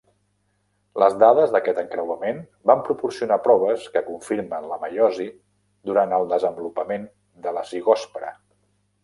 Les dades d'aquest encreuament van proporcionar proves que confirmen la meiosi durant el desenvolupament de la zigòspora.